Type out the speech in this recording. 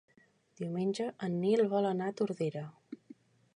Diumenge en Nil vol anar a Tordera.